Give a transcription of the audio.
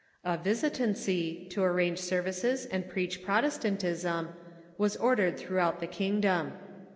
A visitancy, to arrange services and preach Protestantism, was ordered throughout the kingdom.